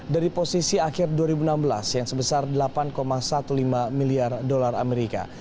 dari posisi akhir dua ribu enam belas yang sebesar delapan lima belas miliar dolar amerika